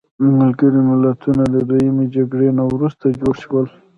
ملګري ملتونه د دویمې جګړې نه وروسته جوړ شول.